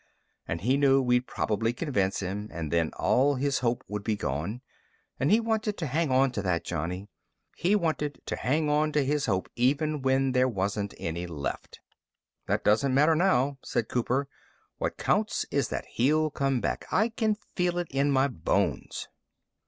And he knew we'd probably convince him and then all his hope would be gone. And he wanted to hang onto that, Johnny. He wanted to hang onto his hope even when there wasn't any left." "That doesn't matter now," said Cooper. "What counts is that he'll come back. I can feel it in my bones."